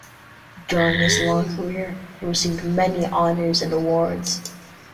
During his long career, he received many honours and awards.